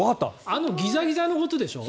あのギザギザのことでしょ。